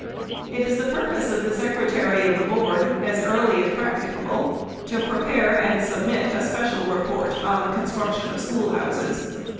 It is the purpose of the Secretary of the Board, as early as practicable, to prepare and submit a special report on the construction of schoolhouses.